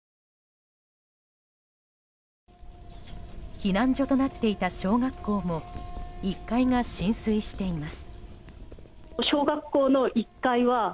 避難所となっていた小学校も１階が浸水しています。